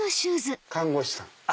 看護師さん。